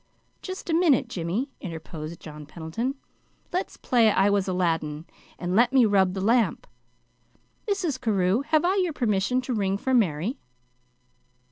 "Just a minute, Jimmy," interposed John Pendleton. "Let's play I was Aladdin, and let me rub the lamp. Mrs. Carew, have I your permission to ring for Mary?"